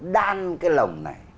đan cái lồng này